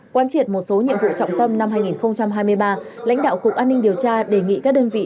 quan triệt một số nhiệm vụ trọng tâm năm hai nghìn hai mươi ba lãnh đạo cục an ninh điều tra đề nghị các đơn vị